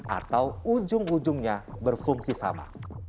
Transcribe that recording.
atau ujung ujungnya berfungsi sama